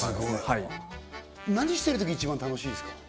はい何してるとき一番楽しいですか？